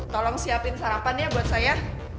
tolong siapin sarapan ya buat saya